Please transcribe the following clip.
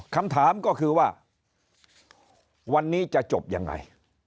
คำถามก็คือว่าวันนี้จะจบยังไง